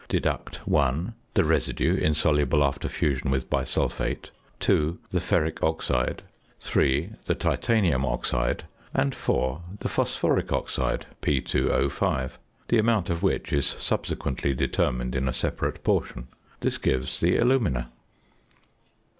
deduct (1) the residue, insoluble, after fusion with bisulphate; (2) the ferric oxide; (3) the titanium oxide; and (4) the phosphoric oxide (P_O_), the amount of which is subsequently determined in a separate portion. This gives the alumina.